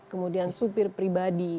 kemudian supir pribadi